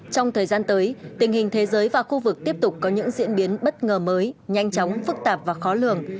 trong thời gian tới tình hình thế giới và khu vực tiếp tục có những diễn biến bất ngờ mới nhanh chóng phức tạp và khó lường